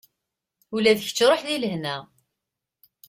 Ula d kečč ruḥ deg lehna.